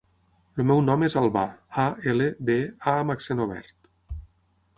El meu nom és Albà: a, ela, be, a amb accent obert.